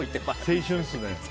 青春ですね。